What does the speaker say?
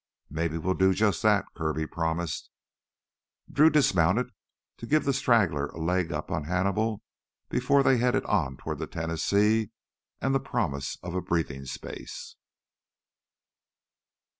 "Maybe we'll do jus' that," Kirby promised. Drew dismounted to give the straggler a leg up on Hannibal before they headed on toward the Tennessee and the promise of a breathing space.